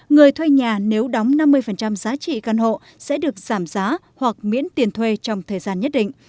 người thuê nhà nếu đóng năm mươi giá trị căn hộ sẽ được giảm giá hoặc miễn tiền thuê trong thời gian nhất định